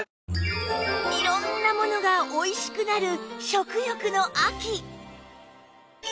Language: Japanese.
いろんなものが美味しくなる食欲の秋